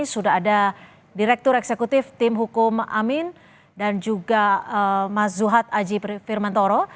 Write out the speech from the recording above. sudah ada direktur eksekutif tim hukum amin dan juga mas zuhad aji firmantoro